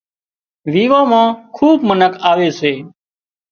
ويوان مان کُوٻ منک آوي سي